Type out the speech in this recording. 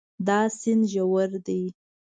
دا سیند ژور ده